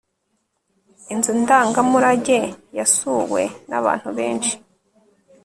inzu ndangamurage yasuwe n'abantu benshi